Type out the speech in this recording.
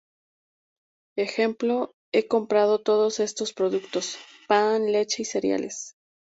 Ej: He comprado todos estos productos: pan, leche y cereales.